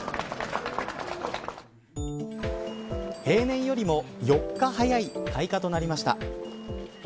平年よりも４日早い開花となりました。